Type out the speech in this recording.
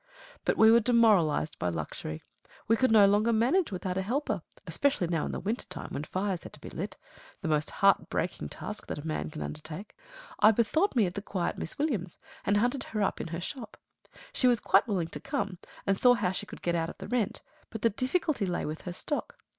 But we were demoralised by luxury. We could no longer manage without a helper especially now in the winter time, when fires had to be lit the most heart breaking task that a man can undertake. I bethought me of the quiet Miss Williams, and hunted her up in her shop. She was quite willing to come, and saw how she could get out of the rent; but the difficulty lay with her stock.